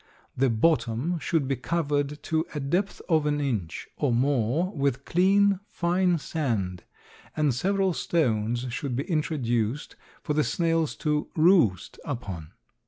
The bottom should be covered to a depth of an inch or more with clean, fine sand and several stones should be introduced for the snails to "roost" upon.